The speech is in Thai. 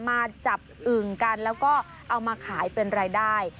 มาจับอึ่งกันแล้วก็เอามาขายเป็นรายได้